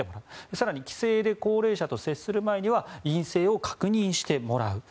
更に帰省で高齢者と接する前には陰性を確認してもらう。